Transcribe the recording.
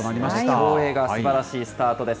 競泳がすばらしいスタートです。